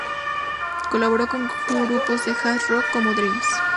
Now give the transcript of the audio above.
Colaboró con grupos de jazz-rock, como Dreams.